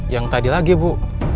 yang tadi lagi bu